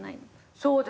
そうですね。